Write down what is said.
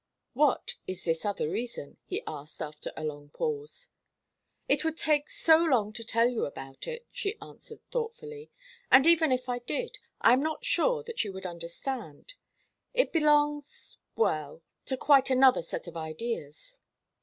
"What is this other reason?" he asked, after a long pause. "It would take so long to tell you all about it," she answered, thoughtfully. "And even if I did, I am not sure that you would understand. It belongs well to quite another set of ideas."